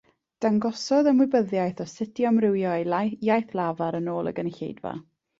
Dangosodd ymwybyddiaeth o sut i amrywio ei iaith lafar yn ôl y gynulleidfa